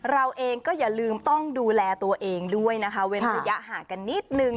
เราเองก็อย่าลืมต้องดูแลตัวเองด้วยนะคะเว้นระยะห่างกันนิดนึง